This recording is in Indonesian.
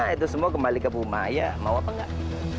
itu semua kembali ke bumaya mau apa enggak